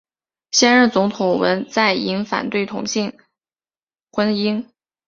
现任总统文在寅反对同性婚姻。